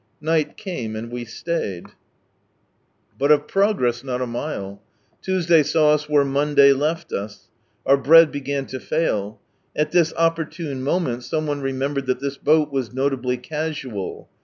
Night came and we started. To Osaka and Back log But of progress not a mile. Tuesday saw us where Monday left us. Out bread began to fail At this opportune moment some one remembered that this boat was notably casual.